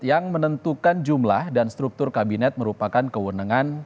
yang menentukan jumlah dan struktur kabinet merupakan kewenangan